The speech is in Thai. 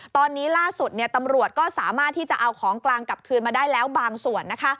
ตอนนี้ล่าสุดตำรวจก็สามารถที่จะเอาของกลางกลับคืนมาได้แล้วบางส่วน